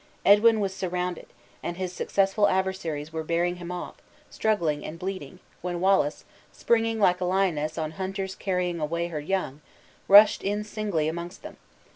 Edwin was surrounded; and his successful adversaries were bearing him off, struggling and bleeding, when Wallace, springing like a lioness on hunters carrying away her young, rushed in singly amongst them.